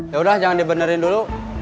ya udah jangan dibenerin dulu